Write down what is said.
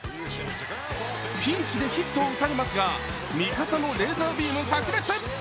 ピンチでヒットを打たれますが、味方のレーザービームさく裂。